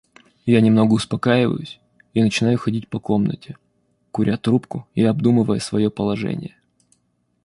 Я немного успокаиваюсь и начинаю ходить по комнате, куря трубку и обдумывая свое положение.